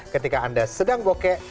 ketika anda sedang bokeh